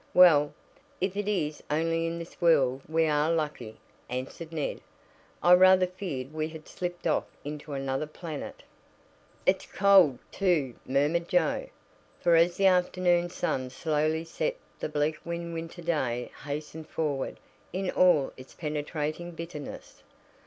"Well, if it is only in this world we are lucky," answered Ned. "I rather feared we had slipped off into another planet." "It's cold, too," murmured Joe, for as the afternoon sun slowly set the bleak winter day hastened forward in all its penetrating bitterness.